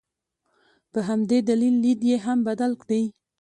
په همدې دلیل لید یې هم بدل دی.